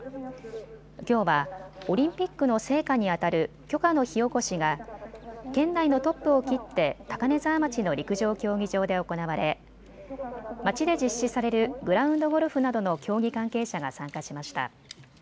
きょうはオリンピックの聖火にあたる炬火の火おこしが県内のトップを切って高根沢町の陸上競技場で行われ町で実施されるグラウンド・ゴルフなどの競技関係者が参加しました。